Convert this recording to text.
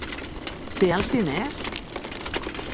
Té els diners?